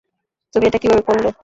তুমি এটা কীভাবে করলে?